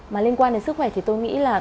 mà liên quan đến sức khỏe thì tôi nghĩ là